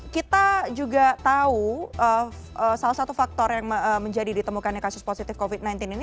kita juga tahu salah satu faktor yang menjadi ditemukannya kasus positif covid sembilan belas ini